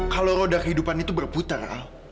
kalau roda kehidupan itu berputar